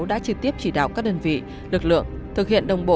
đã trực tiếp chỉ đạo các đơn vị lực lượng